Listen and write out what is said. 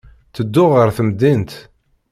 Ttedduɣ ɣer temdint.